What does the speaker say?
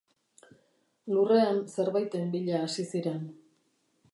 Lurrean zerbaiten bila hasi ziren.